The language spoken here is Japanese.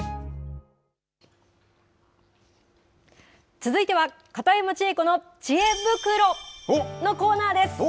続いては、片山千恵子のちえ袋のコーナーです。